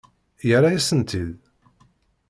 Yerra-yasent-t-id?